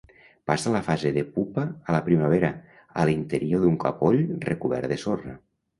Passa la fase de pupa a la primavera, a l'interior d'un capoll recobert de sorra.